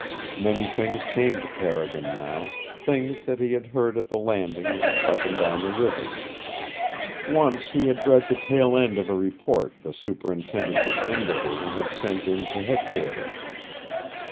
Many things came to Carrigan now, things that he had heard at the Landing and up and down the rivers. Once he had read the tail end of a report the Superintendent of "N" Division had sent in to headquarters.